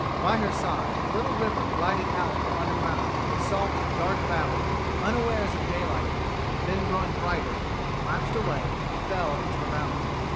By her side a little river glided out from underground with a soft, dark babble, unawares of daylight; then growing brighter, lapsed away, and fell into the valley.